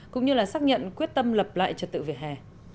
cũng như là xác nhận quyết tâm lập lại trật tự về hè